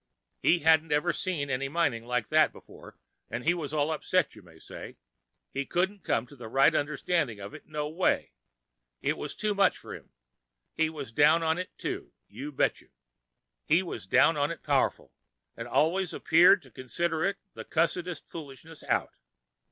He hadn't ever seen any mining like that before, 'n' he was all upset, as you may say—he couldn't come to a right understanding of it no way—it was too many for him. He was down on it too, you bet you—he was down on it powerful—'n' always appeared to consider it the cussedest foolishness out.